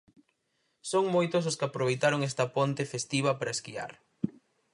Son moitos os que aproveitaron esta ponte festiva para esquiar.